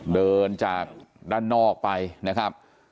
เดินจากด้านนอกไปนะครับ